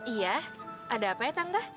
iya ada apa ya tangka